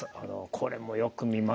これもよく見ます。